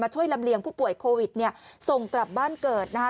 ช่วยลำเลียงผู้ป่วยโควิดเนี่ยส่งกลับบ้านเกิดนะคะ